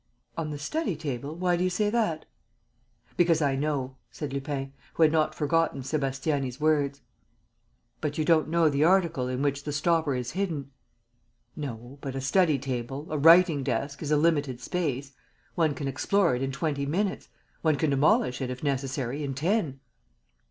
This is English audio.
"On the study table? Why do you say that?" "Because I know," said Lupin, who had not forgotten Sébastiani's words. "But you don't know the article in which the stopper is hidden?" "No. But a study table, a writing desk, is a limited space. One can explore it in twenty minutes. One can demolish it, if necessary, in ten."